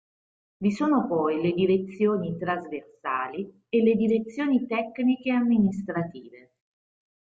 Vi sono poi le Direzioni trasversali e le Direzioni tecniche e amministrative.